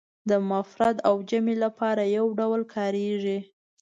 د مفرد او جمع لپاره یو ډول کاریږي.